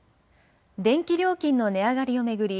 電気料金の値上がりを巡り